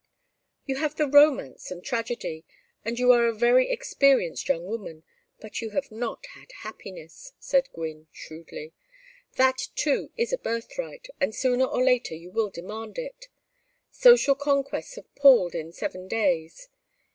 "You have had romance and tragedy, and you are a very experienced young woman, but you have not had happiness," said Gwynne, shrewdly. "That, too, is a birthright, and sooner or later you will demand it. Social conquests have palled in seven days.